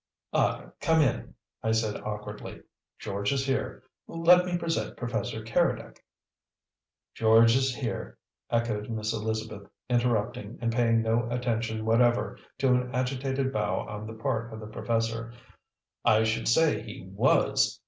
"Ah come in," I said awkwardly. "George is here. Let me present Professor Keredec " "'George is here!'" echoed Miss Elizabeth, interrupting, and paying no attention whatever to an agitated bow on the part of the professor. "I should say he WAS!